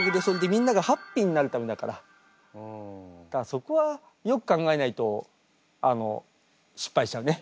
そこはよく考えないとあの失敗しちゃうね。